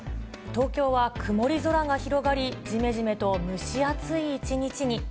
東京は曇り空が広がり、じめじめと蒸し暑い一日に。